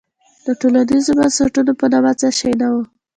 د ټولنیزو بنسټونو په نامه څه شی نه وو.